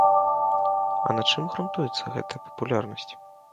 А на чым грунтуецца гэтая папулярнасць?